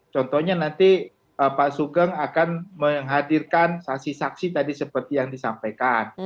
contohnya nanti pak sugeng akan menghadirkan saksi saksi tadi seperti yang disampaikan